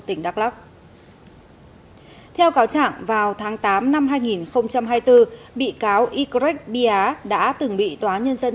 tỉnh đắk lắc theo cáo chẳng vào tháng tám năm hai nghìn hai mươi bốn bị cáo ycret bia đã từng bị tòa nhân dân